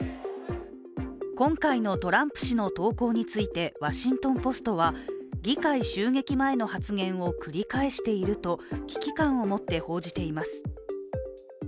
今回のトランプ氏の投稿について「ワシントン・ポスト」は議会襲撃前の発言を繰り返していると危機感を持って報じています。